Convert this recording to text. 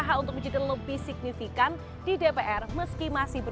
oke terima kasih